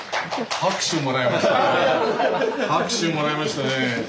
拍手もらいましたねぇ。